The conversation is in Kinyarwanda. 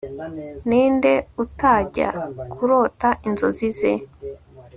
Ninde utajya kurota inzozi ze